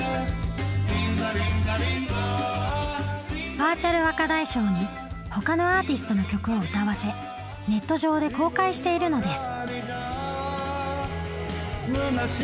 バーチャル若大将にほかのアーティストの曲を歌わせネット上で公開しているのです。